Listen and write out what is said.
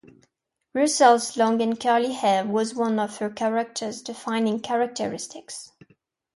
Russell's long and curly hair was one of her character's defining characteristics.